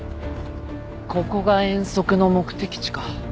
ここが遠足の目的地か。